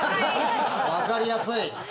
わかりやすい。